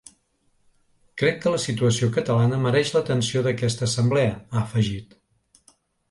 Crec que la situació catalana mereix l’atenció d’aquesta assemblea, ha afegit.